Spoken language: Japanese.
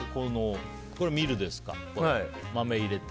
これはミルですか、豆を入れて。